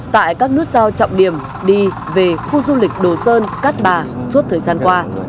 tại các nút giao trọng điểm đi về khu du lịch đồ sơn cát bà suốt thời gian qua